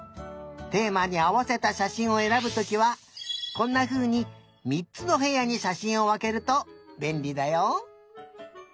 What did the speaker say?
テーマにあわせたしゃしんをえらぶときはこんなふうに３つのへやにしゃしんをわけるとべんりだよ。